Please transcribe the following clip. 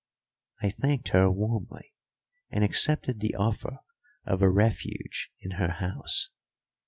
I thanked her warmly and accepted the offer of a refuge in her house.